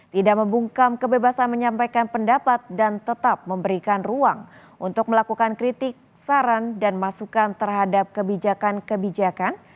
tidak membungkam kebebasan menyampaikan pendapat dan tetap memberikan ruang untuk melakukan kritik saran dan masukan terhadap kebijakan kebijakan